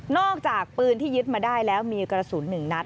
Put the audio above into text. อกจากปืนที่ยึดมาได้แล้วมีกระสุน๑นัด